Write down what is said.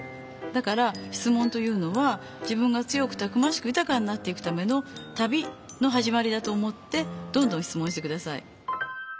だから質問というのは自分が強くたくましく豊かになっていくための旅のはじまりだと思ってどんどん質問して下さい。